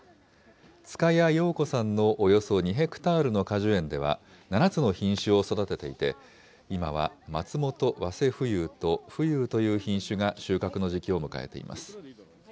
塚谷陽子さんのおよそ２ヘクタールの果樹園では、７つの品種を育てていて、今は松本早生富有と富有という品種が収穫の時期を迎えています。